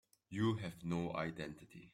You have no identity.